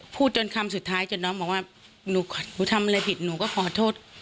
พูดจนคำสุดท้ายจนน้องบอกว่าหนูทำอะไรผิดหนูก็ขอโทษ